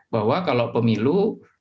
bahwa kalau pemilu kalau masa jabatan itu